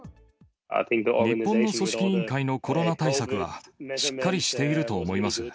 日本の組織委員会のコロナ対策は、しっかりしていると思います。